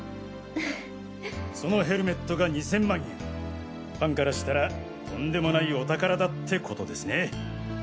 そのヘルメットが２０００万円ファンからしたらとんでもないお宝だってことですね。